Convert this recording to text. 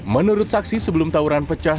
menurut saksi sebelum tawuran pecah